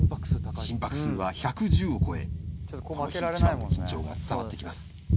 心拍数は１１０を超え、この日一番の緊張が伝わってきます。